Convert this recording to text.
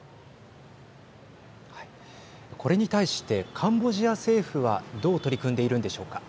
これに対してカンボジア政府はどう取り組んでいるんでしょうか。